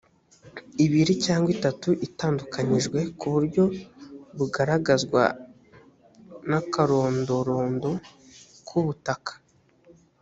ibiri cyangwa itatu itandukanyijwe ku buryo bugaragazwa n akarondorondo k ubutaka